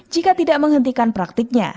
jika tidak menghentikan praktiknya